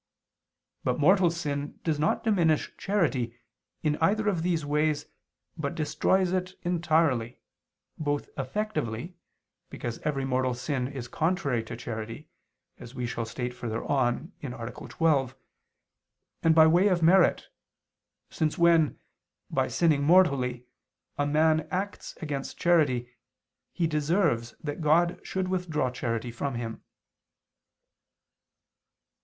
But mortal sin does not diminish charity, in either of these ways, but destroys it entirely, both effectively, because every mortal sin is contrary to charity, as we shall state further on (A. 12), and by way of merit, since when, by sinning mortally, a man acts against charity, he deserves that God should withdraw charity from him.